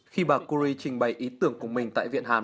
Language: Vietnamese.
khi bà curie trình bày ý tưởng của mình tại viện hàm